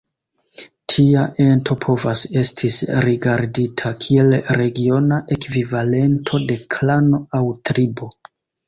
Tia ento povas estis rigardita kiel regiona ekvivalento de klano aŭ tribo.